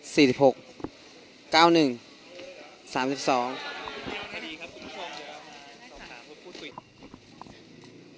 สี่สิบหกเก้าหนึ่งสามสิบสอง